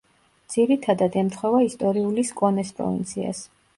ძირითადად ემთხვევა ისტორიული სკონეს პროვინციას.